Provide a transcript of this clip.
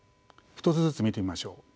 １つずつ見てみましょう。